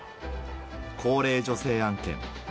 高齢女性案件。